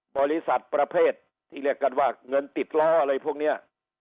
บริษัทประเภทที่เรียกกันว่าเงินติดล้ออะไรพวกนี้